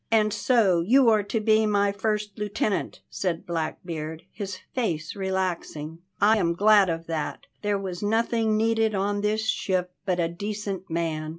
"And so you are to be my first lieutenant," said Blackbeard, his face relaxing. "I am glad of that. There was nothing needed on this ship but a decent man.